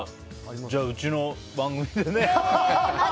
じゃあ、うちの番組でね。